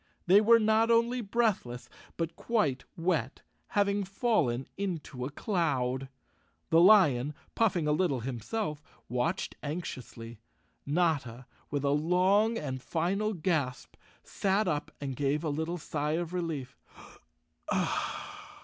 They were not only breathless, but quite wet— having fallen into a cloud. The lion, puffing a little him¬ self, watched anxiously. Notta, with a long and final gasp, sat up and gave a little sigh of relief.